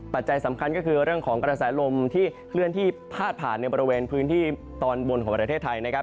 ปัจจัยสำคัญก็คือเรื่องของกระแสลมที่เคลื่อนที่พาดผ่านในบริเวณพื้นที่ตอนบนของประเทศไทยนะครับ